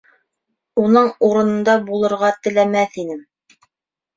Уның урынында булырға теләмәҫ инем.